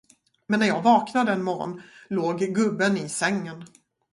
Men när jag vaknade en morgon, låg gubben i sängen.